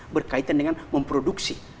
berkaitan dengan memproduksi